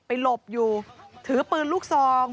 หลบอยู่ถือปืนลูกซอง